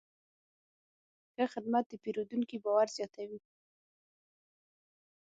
ښه خدمت د پیرودونکي باور زیاتوي.